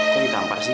kok ditampar sih